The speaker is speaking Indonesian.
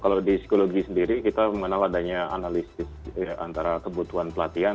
kalau di psikologi sendiri kita mengenal adanya analisis antara kebutuhan pelatihan